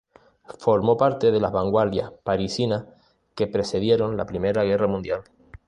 Formó parte de las vanguardias parisinas que precedieron la Primera Guerra Mundial.